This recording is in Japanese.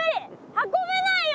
運べないよ